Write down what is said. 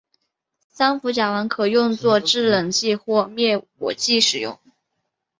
三氟甲烷可用作制冷剂或灭火剂使用。